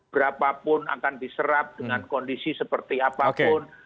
berapapun akan diserap dengan kondisi seperti apapun